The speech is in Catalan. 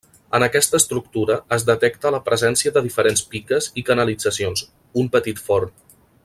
En aquesta estructura es detecta la presència de diferents piques i canalitzacions, un petit forn.